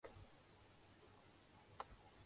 چرب زبان ہوں